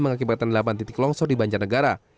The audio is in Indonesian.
mengakibatkan delapan titik longsor di banjarnegara